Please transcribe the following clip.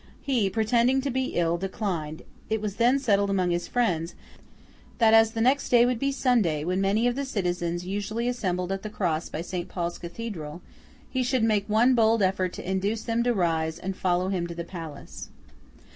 He, pretending to be ill, declined; it was then settled among his friends, that as the next day would be Sunday, when many of the citizens usually assembled at the Cross by St. Paul's Cathedral, he should make one bold effort to induce them to rise and follow him to the Palace.